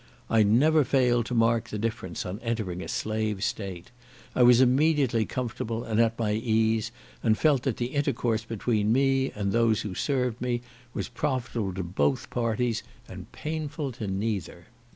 I never failed to mark the difference on entering a slave state. I was immediately comfortable, and at my ease, and felt that the intercourse between me and those who served me, was profitable to both parties and painful to neither.